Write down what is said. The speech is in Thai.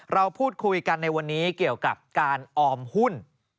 เราพูดคุยกันในวันนี้เกี่ยวกับการออมหุ้น